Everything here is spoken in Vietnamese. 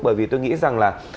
bởi vì tôi nghĩ rằng là